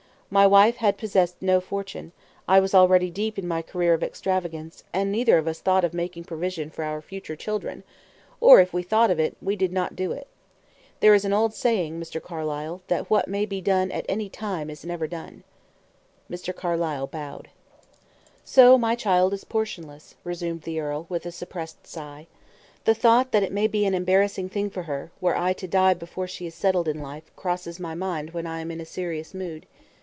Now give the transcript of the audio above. My wife had possessed no fortune; I was already deep in my career of extravagance, and neither of us thought of making provision for our future children; or, if we thought of it, we did not do it. There is an old saying, Mr. Carlyle, that what may be done at any time is never done." Mr. Carlyle bowed. "So my child is portionless," resumed the earl, with a suppressed sigh. "The thought that it may be an embarrassing thing for her, were I to die before she is settled in life, crosses my mind when I am in a serious mood.